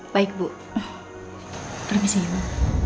baik bu permisi ibu